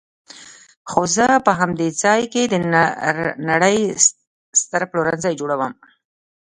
خو زه به په همدې ځای کې د نړۍ ستر پلورنځی جوړوم.